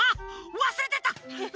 わすれてた！